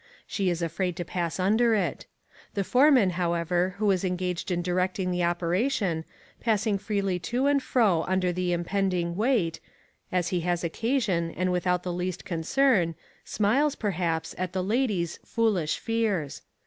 She is afraid to pass under it. The foreman, however, who is engaged in directing the operation, passing freely to and fro under the impending weight, as he has occasion, and without the least concern, smiles, perhaps, at the lady's "foolish fears."